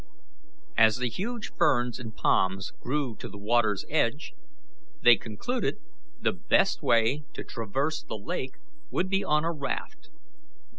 As the huge ferns and palms grew to the water's edge, they concluded the best way to traverse the lake would be on a raft.